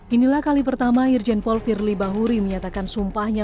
inilah kali pertama irjen paul firly bahuri menyatakan sumpahnya